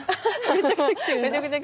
めちゃくちゃ来てるんだ。